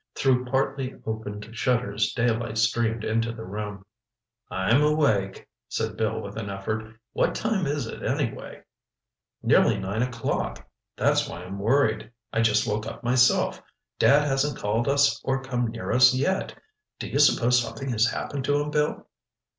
Through partly opened shutters daylight streamed into the room. "I'm awake," said Bill with an effort. "What time is it, anyway?" "Nearly nine o'clock—that's why I'm worried. I just woke up myself—Dad hasn't called us or come near us yet. Do you s'pose something has happened to him, Bill?"